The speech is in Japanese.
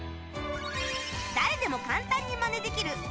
誰でも簡単にマネできる！